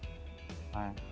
nah ini lebih terang